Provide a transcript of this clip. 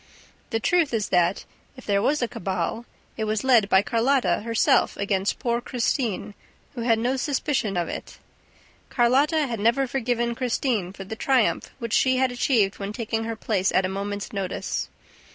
The truth is that, if there was a cabal, it was led by Carlotta herself against poor Christine, who had no suspicion of it. Carlotta had never forgiven Christine for the triumph which she had achieved when taking her place at a moment's notice.